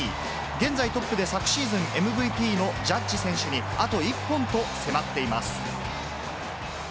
現在トップで昨シーズンＭＶＰのジャッジ選手にあと１本と迫っています。